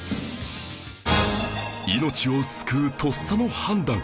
命を救うとっさの判断